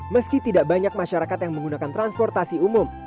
meski tidak banyak masyarakat yang menggunakan transportasi umum